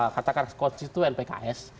katakan konstituen pks